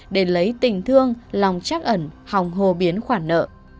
để lấy tình thương lòng chắc ẩn hòng hồ biến khoản nợ